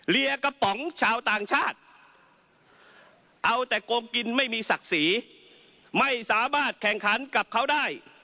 เรียกกระป๋องชาวต่างชาติเอาแต่โกงกินไม่มีศักดิ์ศรีไม่สามารถแข่งขันกับเขาได้